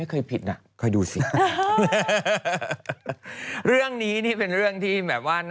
เอาเรื่องนี้ดีกว่า